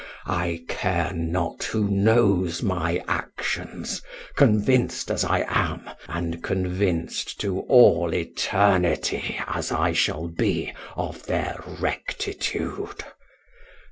I care not who knows my actions, convinced as I am, and convinced to all eternity as I shall be, of their rectitude.